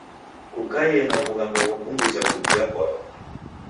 Kukaie na w'ughanga ghopunguza kubia kwaro.